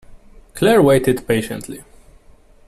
Claire waited patiently.